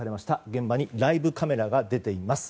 現場にライブカメラが出ています。